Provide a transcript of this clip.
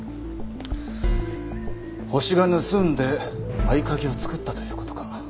ホシが盗んで合鍵を作ったという事か。